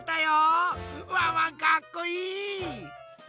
ワンワンかっこいい！